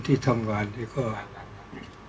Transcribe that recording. ก็ต้องทำอย่างที่บอกว่าช่องคุณวิชากำลังทำอยู่นั่นนะครับ